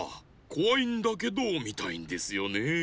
こわいんだけどみたいんですよねえ。